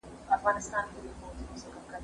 زه پرون شګه پاکه کړه،